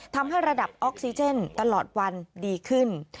ทำให้ระดับออกซิเจนตลอดวันดีขึ้น